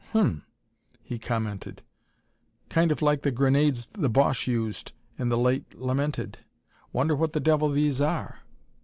"Hum," he commented, "kind of like the grenades the Boche used in the late lamented. Wonder what the devil these are?"